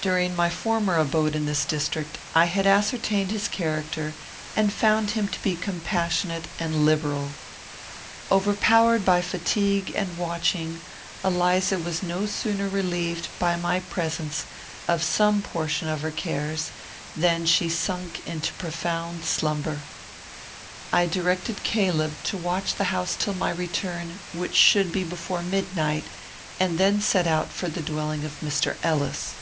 During my former abode in this district, I had ascertained his character, and found him to be compassionate and liberal. Overpowered by fatigue and watching, Eliza was no sooner relieved, by my presence, of some portion of her cares, than she sunk into profound slumber. I directed Caleb to watch the house till my return, which should be before midnight, and then set out for the dwelling of Mr. Ellis.